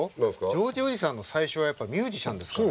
ジョージおじさんの最初はやっぱミュージシャンですから。